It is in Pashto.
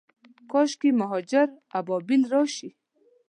کاشکي، مهاجر ابابیل راشي